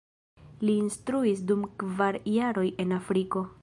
Li instruis dum kvar jaroj en Afriko.